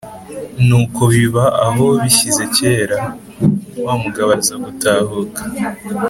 Nuko biba aho bishyize kera, wa mugabo aza gutahuka